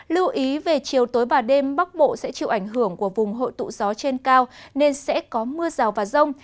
lưu ý về chiều tối và đêm bắc bộ sẽ chịu ảnh hưởng của vùng hội tụ gió trên cao nên sẽ có mưa rào và rông